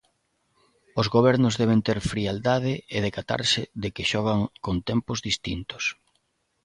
Os gobernos deben ter frialdade e decatarse de que xogan con tempos distintos.